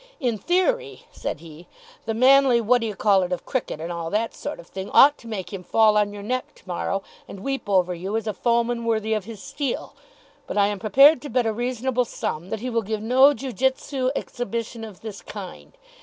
"In theory," said he, "the manly what d'you call it of cricket and all that sort of thing ought to make him fall on your neck to morrow and weep over you as a foeman worthy of his steel. But I am prepared to bet a reasonable sum that he will give no Jiu jitsu exhibition of this kind.